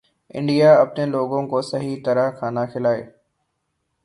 India اپنے لوگوں کو صحیح طرح کھانا کھلائے